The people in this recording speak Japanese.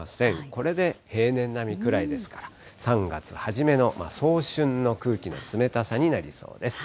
これで平年並みくらいですから、３月初めの早春の空気の冷たさになりそうです。